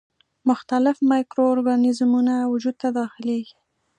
مختلف مایکرو ارګانیزمونه وجود ته داخليږي.